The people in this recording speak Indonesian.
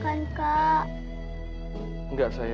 kemudian kemudiannya dia tetap berdiri